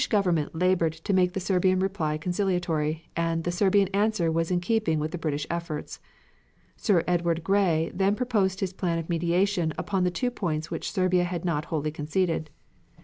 The British Government labored to make the Serbian reply conciliatory, and "the Serbian answer was in keeping with the British efforts." Sir Edward Grey then proposed his plan of mediation upon the two points which Serbia had not wholly conceded.